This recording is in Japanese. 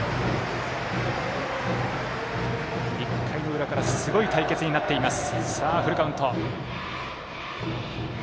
１回の裏からすごい対決になっています。